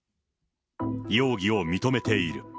容疑を認めている。